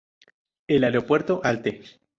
El aeropuerto Alte.